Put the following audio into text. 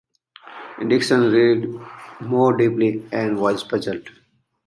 Dickson read more deeply and was puzzled.